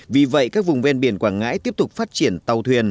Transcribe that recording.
vì vậy các vùng ven biển quảng ngãi tiếp tục phát triển tàu thuyền